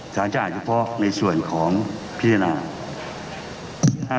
สารจะอ่านเฉพาะในส่วนของพิจารณา